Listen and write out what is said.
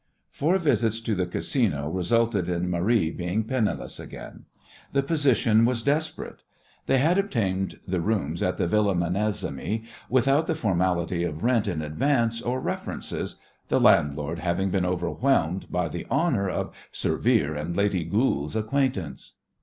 Four visits to the Casino resulted in Marie being penniless again. The position was desperate. They had obtained the rooms at the Villa Menesimy without the formality of rent in advance or references, the landlord having been overwhelmed by the honour of "Sir Vere and Lady Goold's" acquaintance.